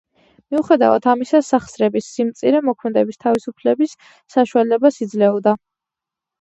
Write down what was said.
მიუხედავად ამისა, სახსრების სიმწირე მოქმედების თავისუფლების საშუალებას იძლეოდა.